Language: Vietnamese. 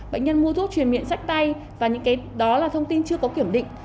bệnh nhân mua thuốc truyền miệng sách tay và những cái đó là thông tin chưa có kiểm định